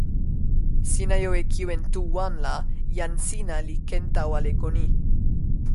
sina jo e kiwen tu wan la jan sina li ken tawa leko ni.